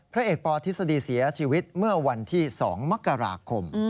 พระเอกปธิษฎีเสียชีวิตเมื่อวันที่๒มกราคม